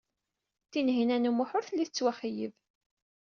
Tinhinan u Muḥ ur telli tettwaxeyyeb.